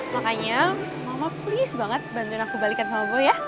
makanya mama please banget bantuin aku balikan sama gue ya